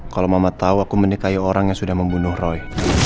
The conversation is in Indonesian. kalau mama tahu aku menikahi orang yang sudah membunuh roy